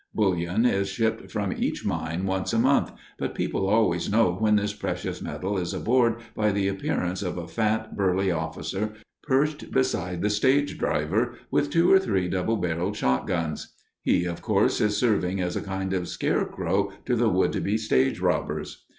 Bullion is shipped from each mine once a month, but people always know when this precious metal is aboard by the appearance of a fat, burly officer perched beside the stage driver, with two or three double barreled shotguns. He, of course, is serving as a kind of scarecrow to the would be stage robbers.